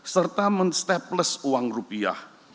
serta men stepless uang rupiah